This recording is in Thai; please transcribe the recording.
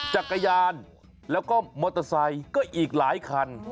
จักรยานแล้วก็มอเตอร์ไซค์ก็อีกหลายคัน